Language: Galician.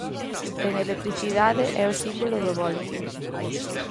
En electricidade é o símbolo do voltio.